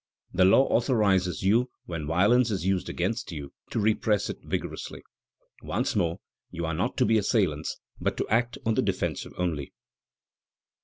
The law authorizes you, when violence is used against you, to repress it vigorously.... Once more, you are not to be assailants, but to act on the defensive only."